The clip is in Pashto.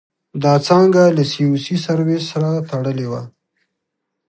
دا څانګه له سي او سي سرویسس سره تړلې وه.